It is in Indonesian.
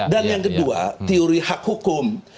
yang kedua teori hak hukum